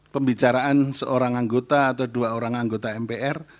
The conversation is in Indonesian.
pembicaraan seorang anggota atau dua orang anggota mpr